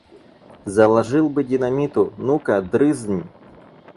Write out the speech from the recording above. Заложил бы динамиту – ну-ка, дрызнь!